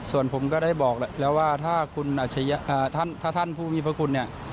ส่วนผมก็ได้บอกแล้วว่าถ้าคุณอาชญะอ่าท่านถ้าท่านผู้มีประคุณเนี้ย